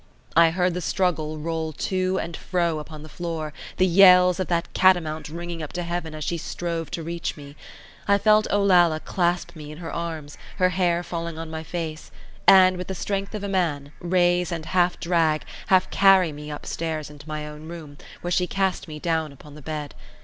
I heard the struggle roll to and fro upon the floor, the yells of that catamount ringing up to Heaven as she strove to reach me. I felt Olalla clasp me in her arms, her hair falling on my face, and, with the strength of a man, raise and half drag, half carry me upstairs into my own room, where she cast me down upon the bed.